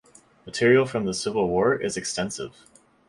Material from the Civil War is extensive.